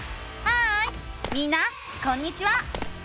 ハーイみんなこんにちは！